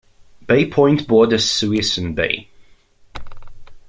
Bay Point borders Suisun Bay.